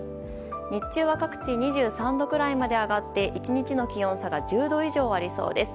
日中は各地２３度くらいまで上がり１日の気温差が１０度以上ありそうです。